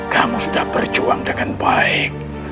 kamu sudah berjuang dengan baik